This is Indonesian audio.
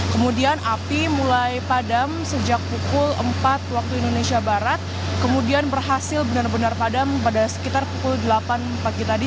kemudian api mulai padam sejak pukul empat waktu indonesia barat kemudian berhasil benar benar padam pada sekitar pukul delapan pagi tadi